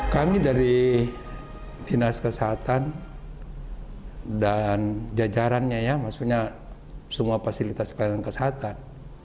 kami dari dinas kesehatan dan jajarannya ya maksudnya semua fasilitas pelayanan kesehatan